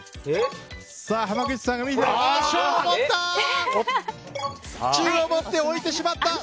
濱口さん中を持って置いてしまった！